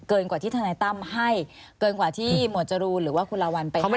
กว่าที่ทนายตั้มให้เกินกว่าที่หมวดจรูนหรือว่าคุณลาวัลไปให้